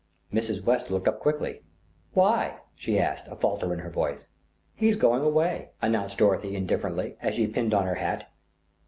Mrs. West looked up quickly. "Why?" she asked, a falter in her voice. "He's going away," announced Dorothy indifferently, as she pinned on her hat.